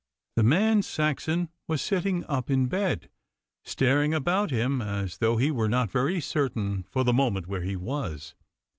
The man Saxon was sitting up in bed, staring about him as though he were not very certain for the moment where he was.